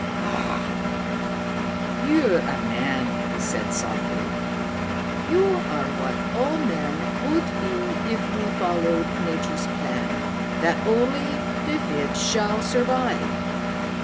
"Ah, you're a man!" he said softly. "You are what all men would be if we followed Nature's plan that only the fit shall survive.